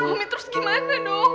umi terus gimana dong